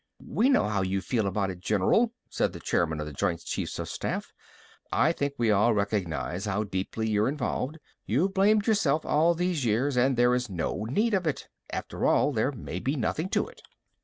"We know how you feel about it, General," said the chairman of the joint chiefs of staff. "I think we all recognize how deeply you're involved. You've blamed yourself all these years and there is no need of it. After all, there may be nothing to it."